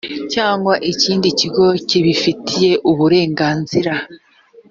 cyangwa ikindi kigo kibifitiye uburenganzira